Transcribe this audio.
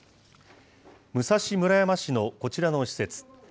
武蔵村山市のこちらの施設。